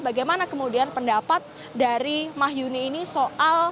dan hal itulah yang menjadi konsentrasi dari majelis hakim pengadilan negeri jakarta utara